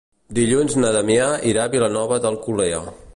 Dilluns na Damià irà a Vilanova d'Alcolea.